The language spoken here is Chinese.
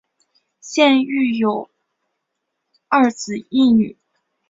现育有二子一女。